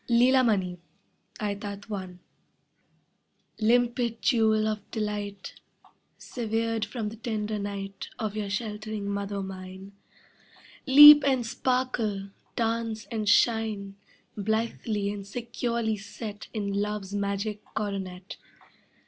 Lilamani, aetat 1 Limpid jewel of delight Severed from the tender night Of your sheltering mother mine, Leap and sparkle, dance and shine, Blithely and securely set In love's magic coronet.